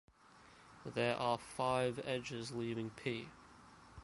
There are five edges leaving "P".